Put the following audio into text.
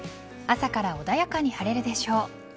朝から穏やかに晴れるでしょう。